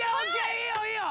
いいよいいよ